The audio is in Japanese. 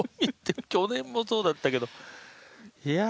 去年もそうだったけど。